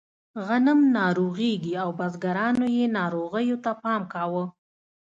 غنم ناروغېږي او بزګرانو یې ناروغیو ته پام کاوه.